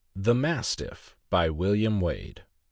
THE MASTIFF. BY WILLIAM WADE.